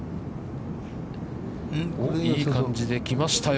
いい感じで来ましたよ。